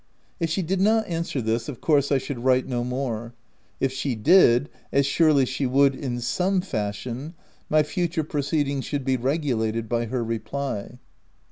— If she did not answer this, of course I should write no more : if she did (as surely she would, in some fashion) my future proceedings should be regu lated by her reply.